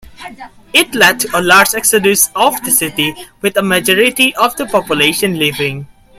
It led to a large exodus of the city, with a majority of the population leaving.